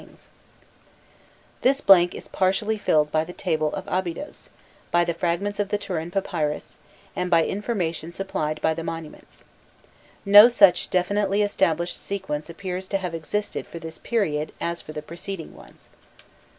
[Illustration: 359.jpg LISTS ON THE MONUMENTS] This blank is partially filled by the table of Abydos, by the fragments of the Turin Papyrus, and by information supplied by the monuments. No such definitely established sequence appears to have existed for this period, as for the preceding ones.